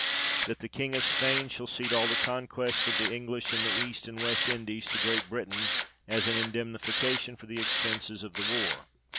That the King of Spain shall cede all the conquests of the English in the East and West Indies to Great Britain, as an indemnification for the expences of the war.